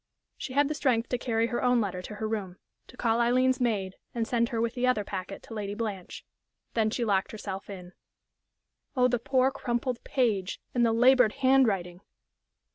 She had the strength to carry her own letter to her room, to call Aileen's maid and send her with the other packet to Lady Blanche. Then she locked herself in.... Oh, the poor, crumpled page, and the labored hand writing!